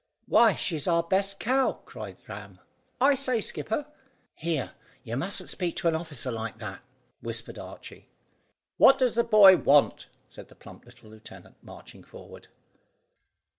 "Why, she's our best cow," cried Ram. "I say skipper." "Here, you mustn't speak to an officer like that," whispered Archy. "What does the boy want?" said the plump little lieutenant, marching forward.